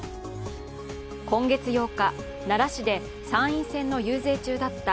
今月８日、奈良市で参院選の遊説中だった